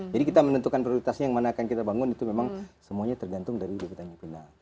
jadi kita menentukan prioritasnya yang mana akan kita bangun itu memang semuanya tergantung dari bp tanjung pinang